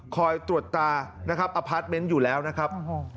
คอยตรวจตานะครับอพาร์ทเมนต์อยู่แล้วนะครับ